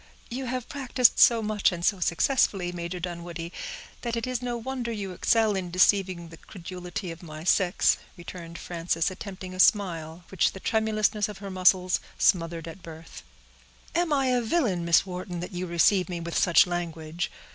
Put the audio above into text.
"You have practiced so much, and so successfully, Major Dunwoodie, that it is no wonder you excel in deceiving the credulity of my sex," returned Frances, attempting a smile, which the tremulousness of her muscles smothered at birth. "Am I a villain, Miss Wharton, that you receive me with such language?